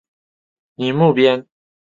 宁木边。